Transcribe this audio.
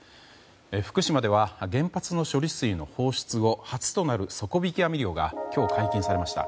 福島では原発の処理水の放出後初となる底引き網漁が今日、解禁されました。